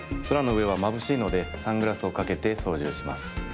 そらのうえはまぶしいのでサングラスをかけてそうじゅうをします。